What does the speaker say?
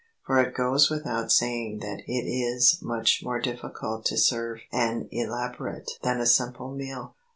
For it goes without saying that it is much more difficult to serve an elaborate than a simple meal.